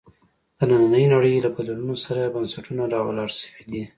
د نننۍ نړۍ له بدلونونو سره بنسټونه راولاړ شوي دي.